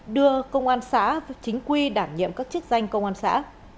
đưa công an xã chính quy đảm nhiệm các chức danh công an xã